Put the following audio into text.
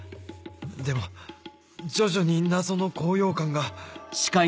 でも徐々に謎の高揚感が